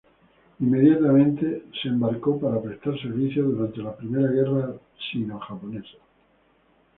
Inmediatamente fue embarcado para prestar servicio durante la Primera Guerra Sino-japonesa.